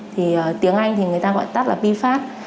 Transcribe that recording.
thì tiếng anh thì người ta gọi tắt là pifast